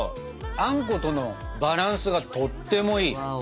あんことのバランスがとってもいい。